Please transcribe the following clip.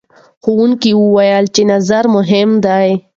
ښوونکي وویل چې نظم مهم دی.